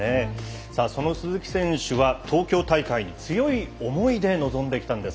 さあ、その鈴木選手は東京大会に強い思いで臨んできたんです。